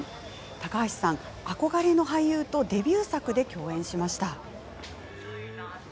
高橋さん、憧れの俳優とデビュー作で共演しました。